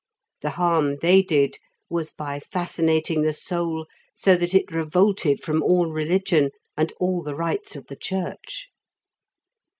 The harm they did was by fascinating the soul so that it revolted from all religion and all the rites of the Church.